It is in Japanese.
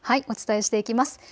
お伝えしていきます。